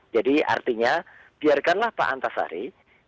jadi artinya biarkanlah pak antasari